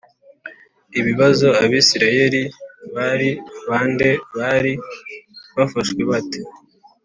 Ibibazo Abisirayeli Bari Ba Nde Bari Bafashwe Bate